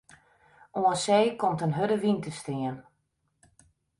Oan see komt in hurde wyn te stean.